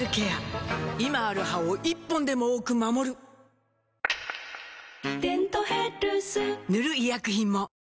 今ある歯を１本でも多く守る「デントヘルス」塗る医薬品も